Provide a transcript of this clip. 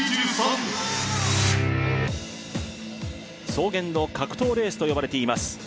草原の格闘レースと呼ばれています